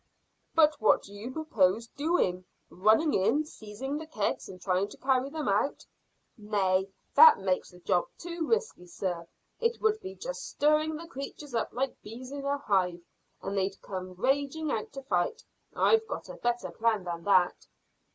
"But what do you propose doing running in, seizing the kegs, and trying to carry them out?" "Nay, that makes the job too risky, sir. It would be just stirring the creatures up like bees in a hive, and they'd come raging out to fight. I've got a better plan than that."